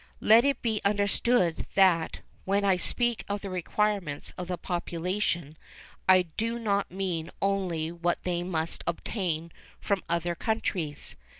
Let it be understood that, when I speak of the requirements of the population, I do not mean only what they must obtain from other countries.